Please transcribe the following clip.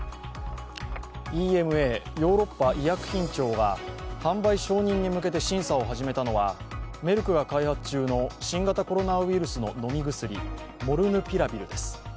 ＥＭＡ＝ヨーロッパ医薬品庁は販売承認に向けて審査を始めたのはメルクが開発中の新型コロナウイルスの飲み薬、モルヌピラビルです。